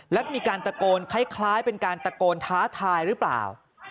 และมีการตะโกนคล้ายเป็นการตะโกนท้าทายหรือเปล่า